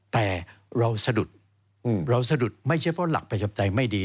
แต่เราสะดุดไม่เฉพาะหลักประชาปไตยไม่ดี